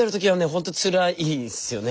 ほんとつらいですよね。